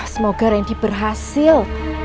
semoga randy berhasil